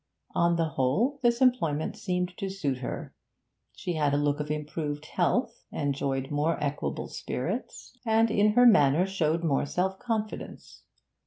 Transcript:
On the whole, this employment seemed to suit her; she had a look of improved health, enjoyed more equable spirits, and in her manner showed more self confidence.